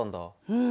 うん。